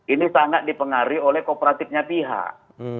ini sangat dipengaruhi oleh kooperatifnya pihak